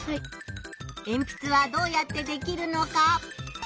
えんぴつはどうやってできるのか。